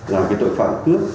là cái tội phạm cướp